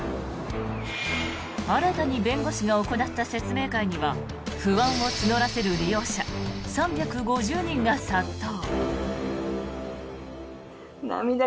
新たに弁護士が行った説明会には不安を募らせる利用者３５０人が殺到。